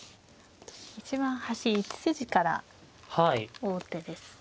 一番端１筋から王手です。